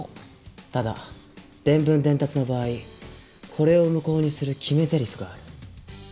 ただ伝聞伝達の場合これを無効にする決めゼリフがある。